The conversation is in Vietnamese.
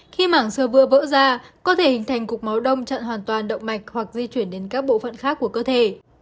khi mảng sơ vừa vỡ ra có thể hình thành cục máu đông chặn hoàn toàn động mạch hoặc di chuyển đến các bộ phận khác của cơ thể